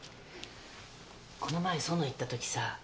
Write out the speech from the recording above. この前苑行った時さ